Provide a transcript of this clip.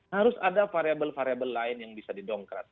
harus ada variabel variabel lain yang bisa didongkrat